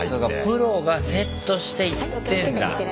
プロがセットして行ってんだ。